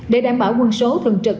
để đảm bảo quân số thường trực